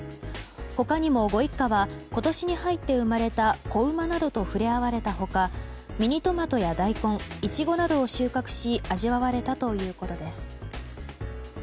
他にもご一家は今年に入って生まれた子馬などと触れ合われた他ミニトマトや大根イチゴなどを収穫し味わわれたということです。